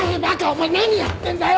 お前何やってんだよ！